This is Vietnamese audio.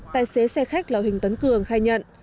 tài xế xe khách lào hình tấn cường khai nhận